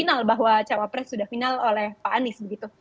final bahwa cawapres sudah final oleh pak anies begitu